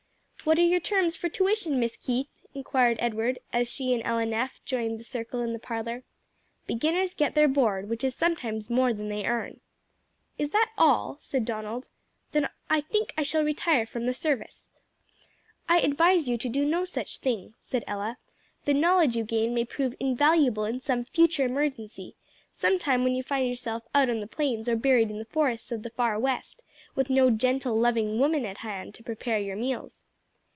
"What are your terms for tuition, Miss Keith?" inquired Edward, as she and Ella Neff joined the circle in the parlor. "Beginners get their board, which is sometimes more than they earn." "Is that all?" said Donald. "Then I think I shall retire from the service." "I advise you to do no such thing," said Ella, "the knowledge you gain may prove invaluable in some future emergency: some time when you find yourself out on the plains or buried in the forests of the Far West, with no gentle, loving woman at hand to prepare your meals."